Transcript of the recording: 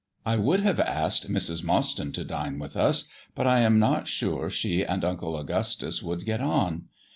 I would have asked Mrs. Mostyn to dine with us, but I am not sure she and Uncle Augustus would get on.